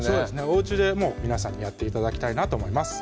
おうちでも皆さんにやって頂きたいなと思います